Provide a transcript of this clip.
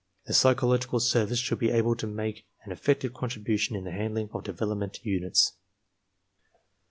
The psychological service should be able to make an effective contribution in the handling of development units.